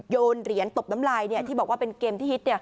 โยนเหรียญตบน้ำลายที่บอกว่าเป็นเกมที่ฮิต